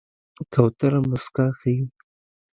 کوتره موسکا ښيي.